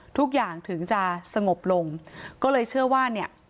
ทุกอย่างถึงจะสงบลงก็เลยเชื่อว่าเนี่ย